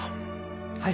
はい。